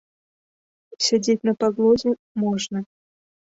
Сядзець на падлозе можна.